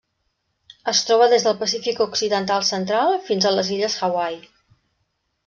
Es troba des del Pacífic occidental central fins a les illes Hawaii.